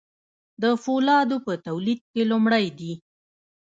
د فولادو په تولید کې لومړی دي.